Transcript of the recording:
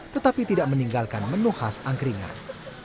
tetapi tidak meninggalkan menu khas angkringan